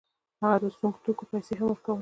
هغه د سونګ توکو پیسې هم ورکولې.